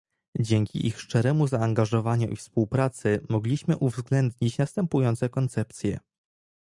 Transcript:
Dzięki ich szczeremu zaangażowaniu i współpracy mogliśmy uwzględnić następujące koncepcje